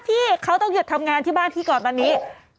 ที่เขาต้องหยุดทำงานที่บ้านพี่ก่อนตอนนี้